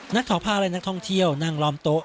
นักข่าวผ้าและนักท่องเที่ยวนั่งล้อมโต๊ะ